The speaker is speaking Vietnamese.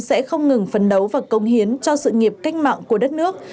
sẽ không ngừng phấn đấu và công hiến cho sự nghiệp cách mạng của đất nước